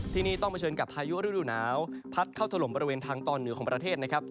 ที่นี่ต้องเผชิญกับพายุฤดูหนาวพัดเข้าถล่มบริเวณทางตอนเหนือของประเทศนะครับ